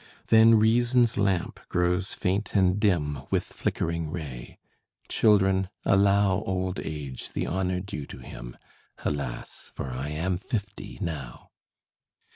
Then Reason's lamp grows faint and dim With flickering ray. Children, allow Old Age the honor due to him Alas, for I am fifty now!